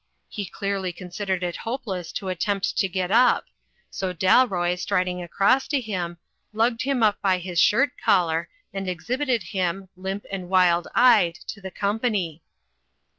He clearly consid ered it hopeless to attempt to get up, so Dalroy, strid . ing across to him, lugged him up by his shirt collar and exhibited him, limp and wild eyed to the company.